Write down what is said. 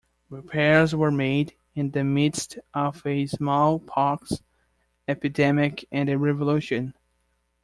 Repairs were made in the midst of a smallpox epidemic and a revolution.